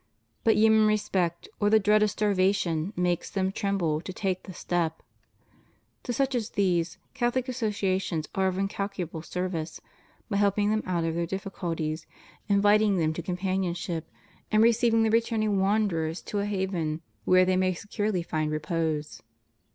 But human respect, or the dread of starvation, makes them tremble to take the step. To such as these CONDITION OF THE WORKING CLASSES. 247 Catholic associations are of incalculable service, by help ing them out of their difficulties, inviting them to com panionship, and receiving the returning wanderers to a haven where they may securely find repose.